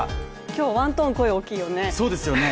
今日、ワントーン、声大きいよね。